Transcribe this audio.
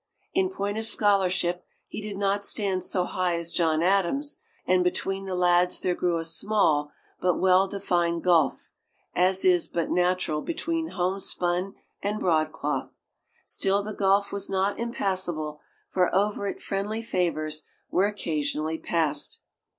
In point of scholarship he did not stand so high as John Adams; and between the lads there grew a small but well defined gulf, as is but natural between homespun and broadcloth. Still the gulf was not impassable, for over it friendly favors were occasionally passed.